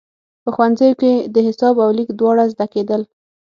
په ښوونځیو کې د حساب او لیک دواړه زده کېدل.